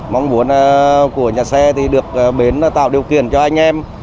mong muốn của nhà xe thì được bến tạo điều kiện cho anh em